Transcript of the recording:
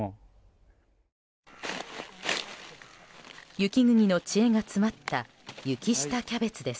雪国の知恵が詰まった雪下キャベツです。